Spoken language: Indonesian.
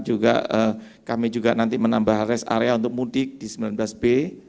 juga kami juga nanti menambah rest area untuk mudik di sembilan belas b